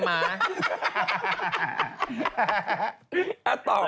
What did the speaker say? อย่าต้อง